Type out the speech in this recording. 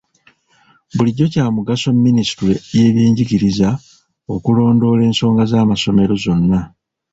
Bulijjo kya mugaso minisitule y'ebyenjigiriza okulondoola ensonga z'amasomero zonna.